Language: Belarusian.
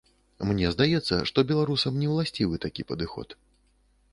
Мне здаецца, што беларусам не ўласцівы такі падыход.